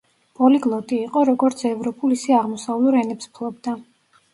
პოლიგლოტი იყო, როგორც ევროპულ, ისე აღმოსავლურ ენებს ფლობდა.